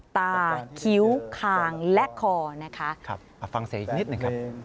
คิ้วคางและคอนะคะครับฟังเสียงอีกนิดหนึ่งครับ